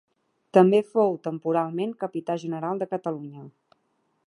També fou temporalment Capità general de Catalunya.